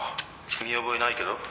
見覚えないけど。